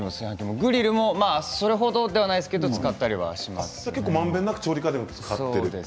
グリルはそれ程ではないですけど使ったりしています。